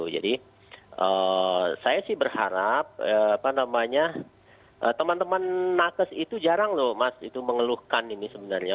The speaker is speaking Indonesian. jadi saya sih berharap teman teman nakes itu jarang mengeluhkan ini sebenarnya